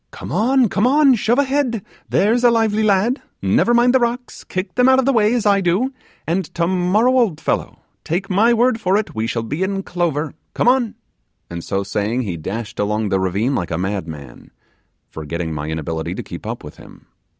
Come on, come on; shove ahead, there's a lively lad; never mind the rocks; kick them out of the way, as I do; and tomorrow, old fellow, take my word for it, we shall be in clover. Come on;' and so saying, he dashed along the ravine like a madman, forgetting my inability to keep up with him.